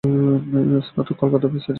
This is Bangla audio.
স্নাতক হন কলকাতার প্রেসিডেন্সি কলেজ থেকে।